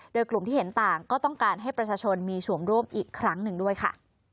โดยกลุ่มที่เห็นต่างก็ต้องการให้ประชาชนมีส่วนร่วมอีกครั้งหนึ่งด้วยค่ะ